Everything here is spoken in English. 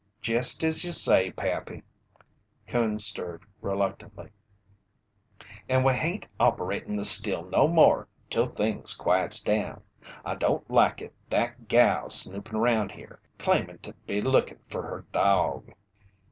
"Jest as you say, Pappy." Coon stirred reluctantly. "An we hain't operatin' the still no more till things quiets down. I don't like it that gal snoopin' around here, claimin' to be lookin' fer her dawg."